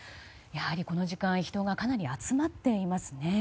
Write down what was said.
やはり、この時間人がかなり集まっていますね。